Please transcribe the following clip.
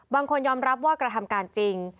ยอมรับว่ากระทำการจริง